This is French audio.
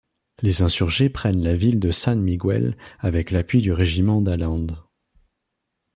Les insurgés prennent la ville de San Miguel avec l'appui du régiment d'Allende.